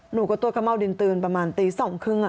หนูก็ตรวจข้าวเม่าดินปืนประมาณตีสองครึ่งอ่ะ